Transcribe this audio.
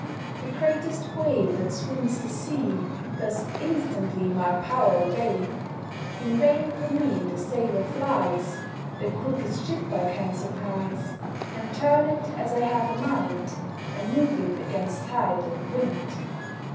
The greatest whale that swims the sea Does instantly my power obey. In vain from me the sailor flies, The quickest ship I can surprise, And turn it as I have a mind, And move it against tide and wind.